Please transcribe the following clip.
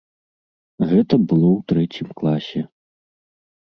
Гэта было ў трэцім класе.